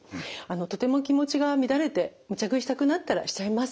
とても気持ちが乱れてむちゃ食いしたくなったらしちゃいます。